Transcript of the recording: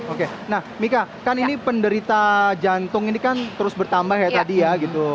oke nah mika kan ini penderita jantung ini kan terus bertambah ya tadi ya gitu